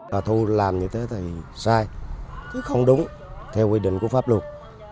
bà thu làm như thế thì sai không đúng theo quy định của pháp luật